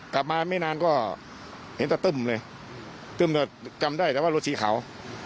กลับมาไม่นานก็เห็นตะตึ้มเลยตึ้มแต่จำได้แต่ว่ารถสีขาว